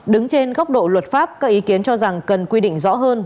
đứng trên góc độ luật pháp các ý kiến cho rằng cần quy định rõ hơn